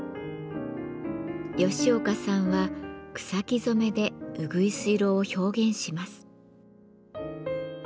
吉岡さんは草木染めでうぐいす色を表現します。